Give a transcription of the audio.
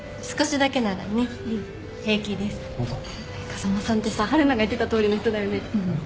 風間さんってさ春菜が言ってたとおりの人だよね？